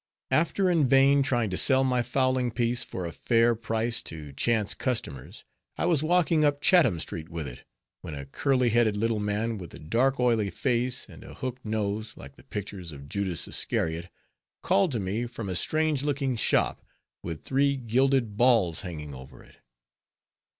After in vain trying to sell my fowling piece for a fair price to chance customers, I was walking up Chatham street with it, when a curly headed little man with a dark oily face, and a hooked nose, like the pictures of Judas Iscariot, called to me from a strange looking shop, with three gilded balls hanging over it.